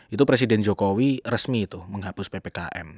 itu presiden jokowi resmi itu menghapus ppkm